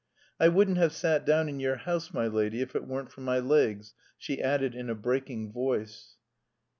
"I wouldn't have sat down in your house, my lady, if it weren't for my legs," she added in a breaking voice.